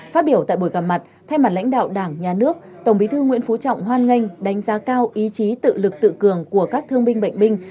phát biểu tại buổi gặp mặt thay mặt lãnh đạo đảng nhà nước tổng bí thư nguyễn phú trọng hoan nghênh đánh giá cao ý chí tự lực tự cường của các thương binh bệnh binh